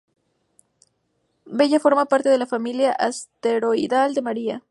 Bella forma parte de la familia asteroidal de María.